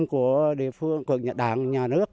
của địa phương của đảng nhà nước